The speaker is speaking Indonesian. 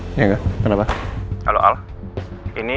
sekarang gue ada di depan lapas jati kota ini